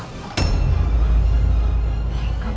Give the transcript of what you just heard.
kamu serius gak apa apa